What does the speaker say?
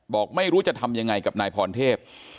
บอกไม่รู้จะทำยังไงกับนายพรเทพ